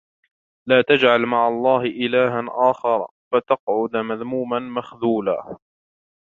لَا تَجْعَلْ مَعَ اللَّهِ إِلَهًا آخَرَ فَتَقْعُدَ مَذْمُومًا مَخْذُولًا